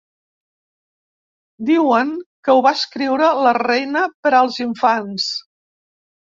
Diuen que ho va escriure la reina per als infants.